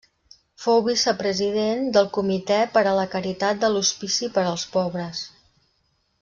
Fou vicepresident del Comitè per a la Caritat de l'Hospici per als Pobres.